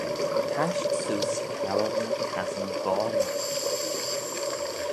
Tasht seose cour ny cassyn gorley